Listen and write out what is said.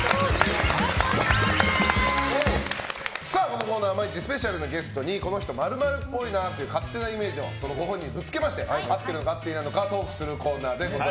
このコーナーは毎日スペシャルなゲストにこの人、○○っぽいなという勝手なイメージをそのご本人にぶつけまして合っているのか合っていないのかトークするコーナーです。